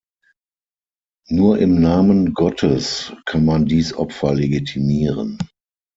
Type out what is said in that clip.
Nur im Namen Gottes kann man dies Opfer legitimieren“.